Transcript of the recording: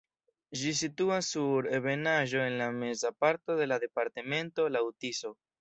Ĝi situas sur ebenaĵo en la meza parto de la departemento laŭ Tiso.